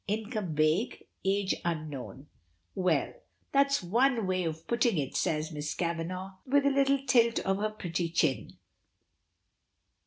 Income vague. Age unknown. "Well! That's one way of putting it," says Miss Kavanagh, with a little tilt of her pretty chin.